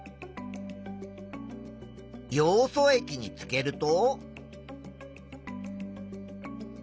ヨウ素液につけると？